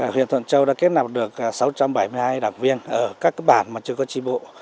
huyện thuận châu đã kết nạp được sáu trăm bảy mươi hai đảng viên ở các bản mà chưa có tri bộ